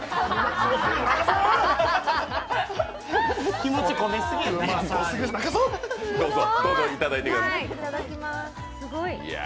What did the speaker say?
気持ち込めすぎや。